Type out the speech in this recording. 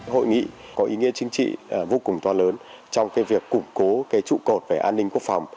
hội nghị có ý nghĩa chính trị vô cùng to lớn trong việc củng cố trụ cột về an ninh quốc phòng